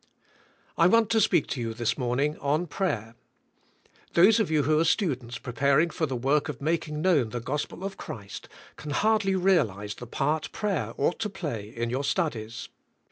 I want to speak to you this morning on prayer. Those of you who are students preparing for the work of making knov/n the g ospel of Christ can hardly realize the part prayer oug ht to play in your studies.